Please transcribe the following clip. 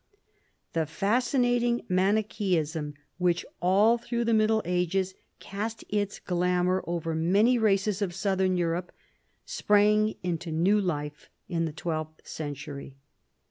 The fascinating Manicheism which all through the Middle Ages cast its glamour over many races of Southern Europe sprang into new life in the twelfth century.